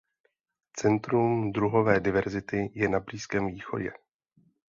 Centrum druhové diverzity je na Blízkém východě.